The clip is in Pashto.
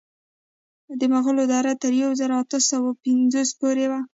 د مغولو دوره تر یو زر اته سوه اوه پنځوس پورې وه.